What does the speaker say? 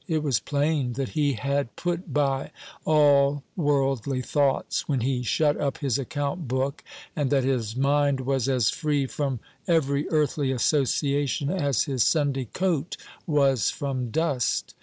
It was plain that he had put by all worldly thoughts when he shut up his account book, and that his mind was as free from every earthly association as his Sunday coat was from dust.